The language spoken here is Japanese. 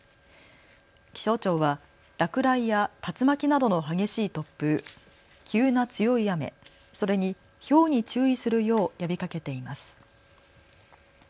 気象庁は落雷や竜巻などの激しい突風、急な強い雨、それにひょうに注意するよう呼びかけています。